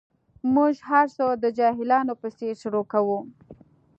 موږ هر څه د جاهلانو په څېر شروع کوو.